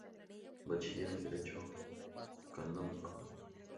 Bachiller en Derecho canónico.